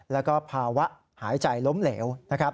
แล้วก็ภาวะหายใจล้มเหลว